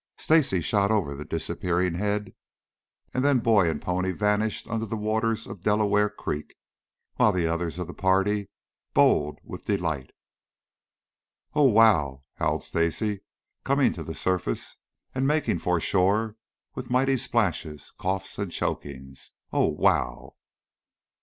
Stacy shot over the disappearing head, then boy and pony vanished under the waters of Delaware Creek while the others of the party bowled with delight. "Oh, wow!" howled Stacy, coming to the surface and making for shore with mighty splashes, coughs and chokings. "Oh, wow!"